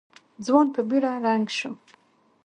ځوان په بېړه رنګ شو.